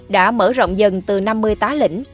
đã mở rộng dần từ năm mươi tá lĩnh